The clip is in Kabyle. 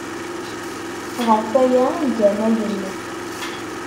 Ɣef waya ay gan ayen.